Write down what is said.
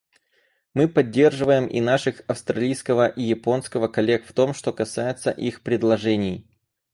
Мы поддерживаем и наших австралийского и японского коллег в том, что касается их предложений.